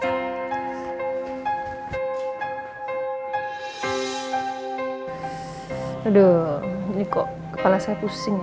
aduh ini kok kepala saya pusing